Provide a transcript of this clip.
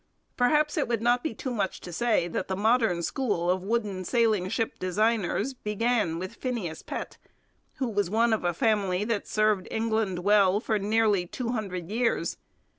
Perhaps it would not be too much to say that the modern school of wooden sailing ship designers began with Phineas Pett, who was one of a family that served England well for nearly two hundred years.